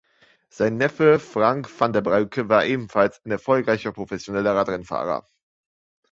Sein Neffe Frank Vandenbroucke war ebenfalls ein erfolgreicher professioneller Radrennfahrer.